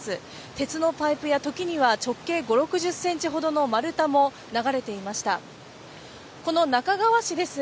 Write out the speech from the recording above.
鉄のパイプや時には直径５０６０ｃｍほどの丸太も流れていました。